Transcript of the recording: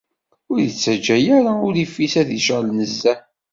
Ur ittaǧǧa ara urrif-is ad d-icɛel nezzeh.